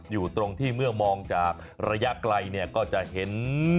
อยู่ตรงที่เมื่อมองจากระยะไกลเนี่ยก็จะเห็น